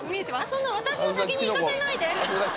そんな私を先に行かせないで！